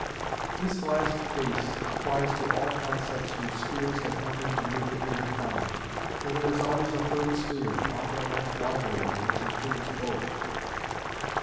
] This last case applies to all concepts whose spheres have nothing immediately in common, for there is always a third sphere, often a much wider one, which includes both.